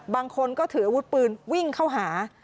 บางคนก็ถืออาวุธปืนวิ่งเข้าหา